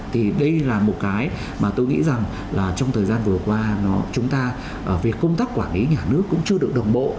thì đây là một cái mà tôi nghĩ rằng là trong thời gian vừa qua chúng ta về công tác quản lý nhà nước cũng chưa được đồng bộ